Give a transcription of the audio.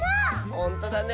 ほんとだね！